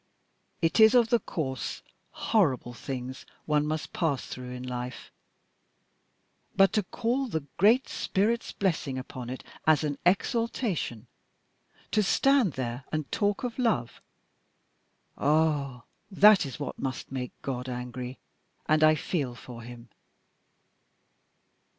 It is of the coarse, horrible things one must pass through in life but to call the Great Spirit's blessing upon it, as an exaltation! To stand there and talk of love! Ah that is what must make God angry, and I feel for Him."